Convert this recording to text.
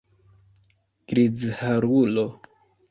Grizharulo!